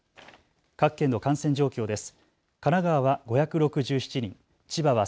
各県の感染状況です。